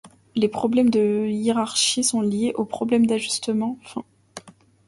Les problèmes de hiérarchie sont liés aux problèmes d'ajustement fin.